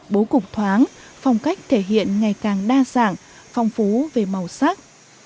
bố cục thoáng phong cách thể hiện ngày càng đa dạng phong phú về màu sắc